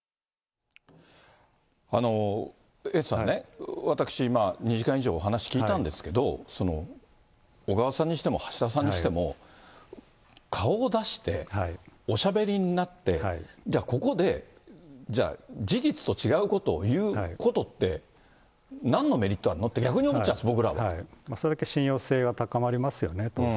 エイトさんね、私、２時間以上お話聞いたんですけど、小川さんにしても、橋田さんにしても、顔を出しておしゃべりになって、ここでじゃあ、事実と違うことを言うことって、なんのメリットあるのって、逆に思っちゃうんです、それだけ信用性が高まります